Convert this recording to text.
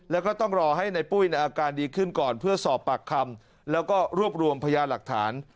แล้วก็ต้องรอให้ในปุ้ยในอาการดีขึ้นก่อนเพื่อสอบปากคำแล้วก็รวบรวมพยาหลักฐาน